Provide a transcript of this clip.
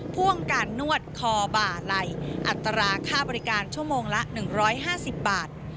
พ่วงการนวดคอบ่าไหล่อัตราค่าบริการชั่วโมงละ๑๕๐บาท